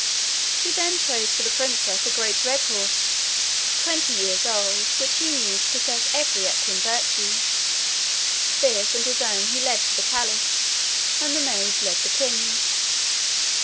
He then chose for the princess a great red horse, twenty years old, which he knew to possess every equine virtue. This and his own he led to the palace, and the maid led the king's.